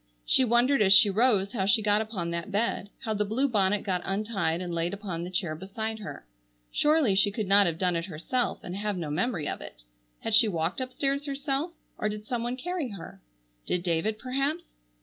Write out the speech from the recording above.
She wondered as she rose how she got upon that bed, how the blue bonnet got untied and laid upon the chair beside her. Surely she could not have done it herself and have no memory of it. Had she walked upstairs herself, or did some one carry her? Did David perhaps?